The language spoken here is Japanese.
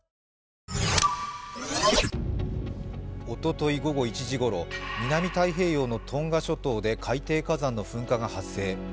おととい午後１時ごろ、南太平洋のトンガ諸島で海底火山の噴火が発生。